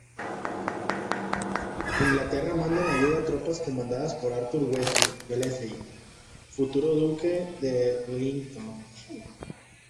Inglaterra manda en ayuda tropas comandadas por Arthur Wellesley, futuro duque de Wellington.